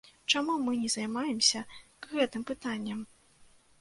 Чаму мы не займаемся гэтым пытаннем?